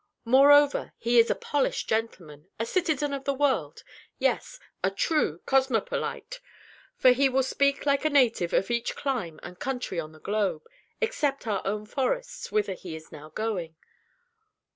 Moreover, he is a polished gentleman a citizen of the world yes, a true cosmopolite; for he will speak like a native of each clime and country on the globe, except our own forests, whither he is now going.